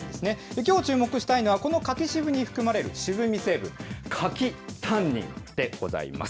きょう、注目したいのは、この柿渋に含まれる渋み成分、柿タンニンでございます。